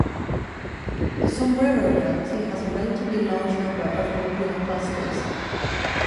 The Sombrero Galaxy has a relatively large number of globular clusters.